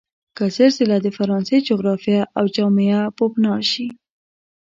که زر ځله د فرانسې جغرافیه او جامعه پوپناه شي.